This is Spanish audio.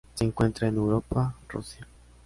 Se encuentra en Europa: Rusia.